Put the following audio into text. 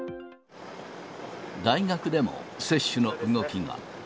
大学でも、接種の動きが。